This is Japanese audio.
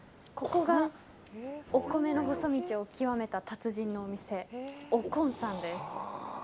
ここがお米の細道を極めた達人のお店おこんさんです。